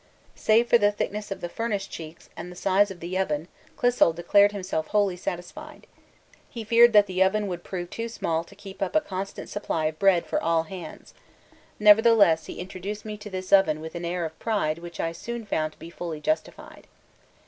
Save for the thickness of the furnace cheeks and the size of the oven Clissold declared himself wholly satisfied. He feared that the oven would prove too small to keep up a constant supply of bread for all hands; nevertheless he introduced me to this oven with an air of pride which I soon found to be fully justified.